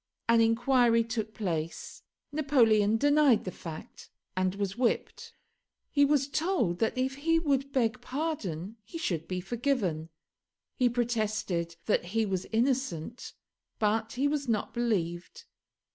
An inquiry took place. Napoleon denied the fact, and was whipped. He was told that if he would beg pardon he should be forgiven. He protested that he was innocent, but he was not believed.